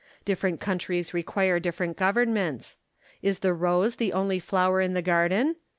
Different countries require different governments. Is the rose the only flower in the garden